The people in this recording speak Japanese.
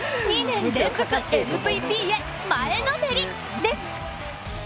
２年連続ＭＶＰへ、前のめりです！